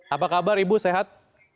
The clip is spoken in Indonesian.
apa kabar ibu sehat